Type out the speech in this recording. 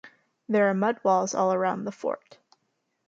There are mud walls all around the fort.